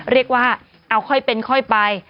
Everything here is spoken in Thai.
เรียกว่าเอาค่อยเป็นค่อยไป